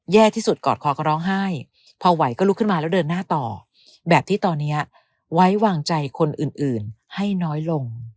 แย่ที่สุดกอดคอก็ร้องไห้พอไหวก็ลุกขึ้นมาแล้วเดินหน้าต่อแบบที่ตอนนี้ไว้วางใจคนอื่นให้น้อยลง